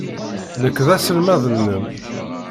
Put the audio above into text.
Nekk d aselmad-nnem.